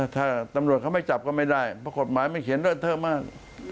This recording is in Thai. ถ้าตำรวจเขาไม่จับก็ไม่ได้เพราะกฎหมายมันเขียนเลอะเทอะมาก